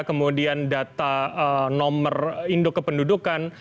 kemudian data nomor indokependudukan